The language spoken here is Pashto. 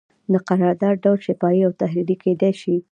د قرارداد ډول شفاهي او تحریري کیدی شي.